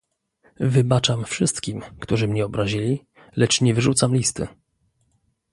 "Wybaczam wszystkim którzy mnie obrazili, lecz nie wyrzucam listy!"